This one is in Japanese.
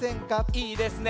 いいですね